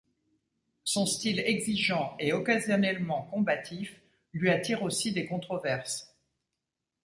Son style exigeant et occasionnellement combatif lui attire aussi des controverses.